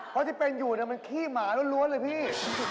เพราะที่เป็นอยู่มันขี้หมาล้วนเลยพี่